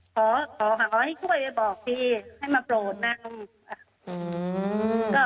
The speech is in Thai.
ขอขอให้ช่วยบอกพี่ให้มาโปรดนั่ง